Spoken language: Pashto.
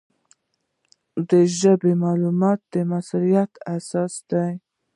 دا ژبه د معلوماتو د موثریت اساس ده.